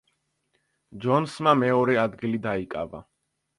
ჯონსმა მეორე ადგილი დაიკავა.